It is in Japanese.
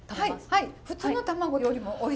はい！